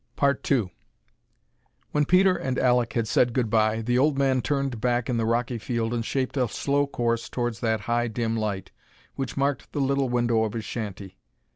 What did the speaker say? II When Peter and Alek had said good bye, the old man turned back in the rocky field and shaped a slow course towards that high dim light which marked the little window of his shanty.